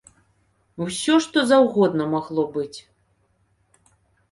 Усё, што заўгодна магло быць.